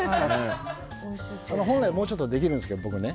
本来、もうちょっとできるんですけどね